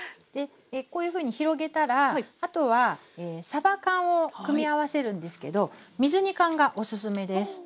こういうふうに広げたらあとはさば缶を組み合わせるんですけど水煮缶がおすすめです。